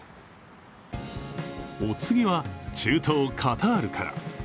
お次は中東・カタールから。